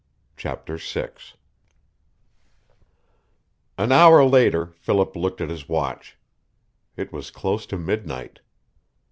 CHAPTER VI An hour later Philip looked at his watch. It was close to midnight.